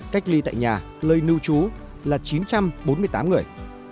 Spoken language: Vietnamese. cách ly tại nhà lây nưu trú là chín trăm bốn mươi tám người